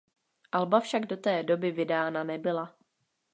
Alba však do té doby vydána nebyla.